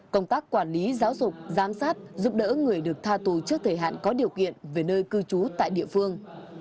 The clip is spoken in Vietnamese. công tác quản lý giáo dục giám sát giúp đỡ người được tha tù trước thời hạn có điều kiện về nơi cư trú tại địa phương